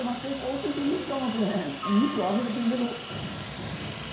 押し過ぎかもしれへん。